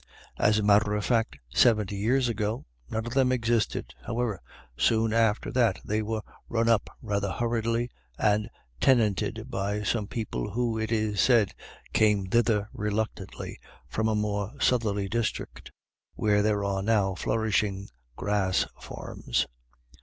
As a matter of fact, seventy years ago none of them existed. However, soon after that they were run up rather hurriedly,, and tenanted , by some people who, it is said, came i l« IRISH IDYLLS. thither reluctantly 'from a more southerly district, where there are now flourishing grass farms.